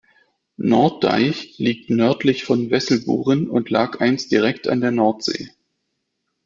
Norddeich liegt nördlich von Wesselburen und lag einst direkt an der Nordsee.